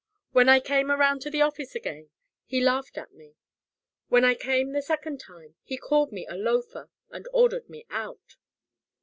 When I came around to the offices again he laughed at me. When I came the second time, he called me a loafer and ordered me out."